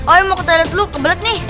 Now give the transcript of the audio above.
oil mau ke toilet dulu kebelet nih